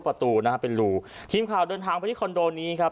ประตูนะฮะเป็นรูทีมข่าวเดินทางไปที่คอนโดนี้ครับ